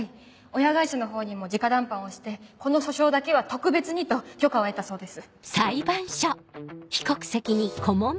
親会社のほうにも直談判をしてこの訴訟だけは特別にと許可を得たそうです。